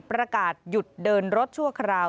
ประกาศหยุดเดินรถชั่วคราว